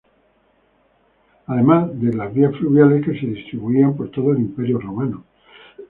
Además de las vías fluviales que se distribuían por todo el imperio romano.